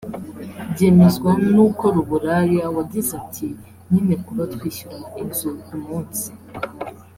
Byemezwa n’ukora uburaya wagize ati “Nyine kuba twishyura inzu ku munsi